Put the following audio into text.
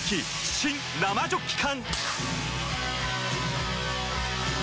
新・生ジョッキ缶！